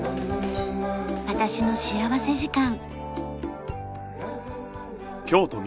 『私の幸福時間』。